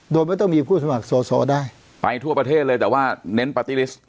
โดยไม่ต้องมีผู้สมัครสอสอได้ไปทั่วประเทศเลยแต่ว่าเน้นปาร์ตี้ลิสต์